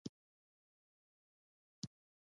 د شپې هوا سړه وه.